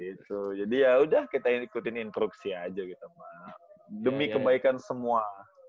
gitu jadi yaudah kita ikutin instruksi aja gitu mah demi kebaikan semua